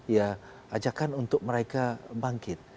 ya ajakan untuk mereka bangkit